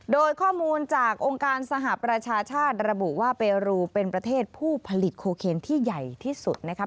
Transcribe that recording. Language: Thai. โดยข้อมูลจากองค์การสหประชาชาติระบุว่าเปรูเป็นประเทศผู้ผลิตโคเคนที่ใหญ่ที่สุดนะคะ